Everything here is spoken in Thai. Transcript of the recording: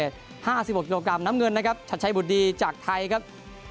๕๖กิโลกรัมน้ำเงินนะครับชัดชัยบุตรดีจากไทยครับ